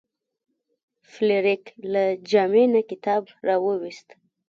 فلیریک له جامې نه کتاب راویوست.